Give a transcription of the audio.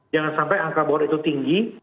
jangan sampai angka bor itu tinggi